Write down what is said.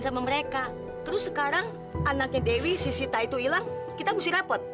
terus sekarang anaknya dewi si sita itu hilang kita mesti repot